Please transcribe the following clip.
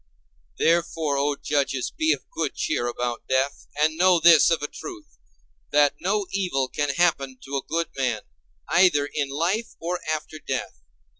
Wherefore, O judges, be of good cheer about death, and know this of a truth—that no evil can happen to a good man, either in life or after death.